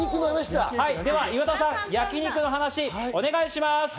岩田さん、焼肉の話をお願いします。